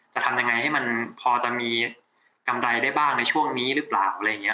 จะทำยังไงให้มันพอจะมีกำไรได้บ้างในช่วงนี้หรือเปล่าอะไรอย่างนี้